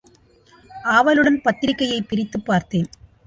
ஆவலுடன் பத்திரிகையைப் பிரித்துப்பார்த்தேன்.